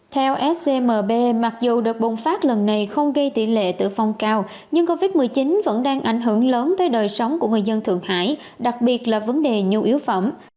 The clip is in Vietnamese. theo scmb mặc dù đợt bùng phát lần này không gây tỷ lệ tử vong cao nhưng covid một mươi chín vẫn đang ảnh hưởng lớn tới đời sống của người dân thượng hải đặc biệt là vấn đề nhu yếu phẩm